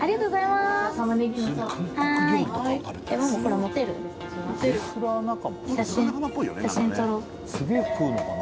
すげえ食うのかな？